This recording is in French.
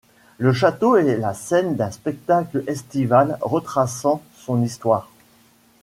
Le château est la scène d'un spectacle estival retraçant son histoire.